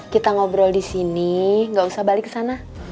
kita ngobrol disini gak usah balik kesana